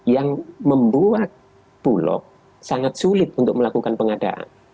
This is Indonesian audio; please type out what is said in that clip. yang membuat bulog sangat sulit untuk melakukan pengadaan